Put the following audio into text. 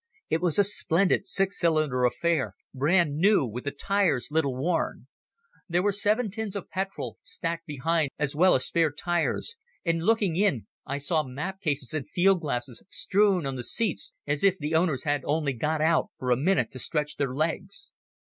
It was a splendid six cylinder affair, brand new, with the tyres little worn. There were seven tins of petrol stacked behind as well as spare tyres, and, looking in, I saw map cases and field glasses strewn on the seats as if the owners had only got out for a minute to stretch their legs.